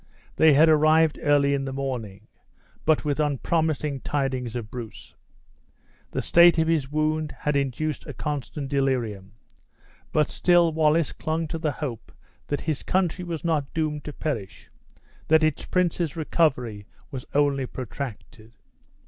They had arrived early in the morning, but with unpromising tidings of Bruce. The state of his wound had induced a constant delirium. But still Wallace clung to the hope that his country was not doomed to perish that its prince's recovery was only protracted.